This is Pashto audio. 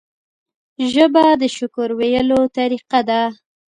ژبه د شکر ویلو طریقه ده